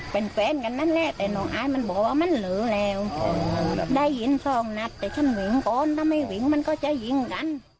เป็นแฟนกันนั่นแหละแต่น้องอายมันบอกว่ามันเหลือแล้วได้ยินสองนัดแต่ฉันวิ่งก่อนถ้าไม่วิ่งมันก็จะยิงกัน